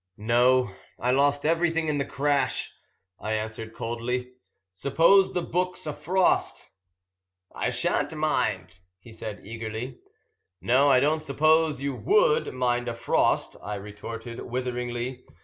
"No, I lost everything in the crash," I answered coldly. "Suppose the book's a frost?" "I shan't mind," he said eagerly. "No, I don't suppose you would mind a frost," I retorted witheringly.